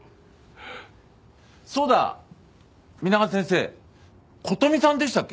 そうだ皆川先生琴美さんでしたっけ？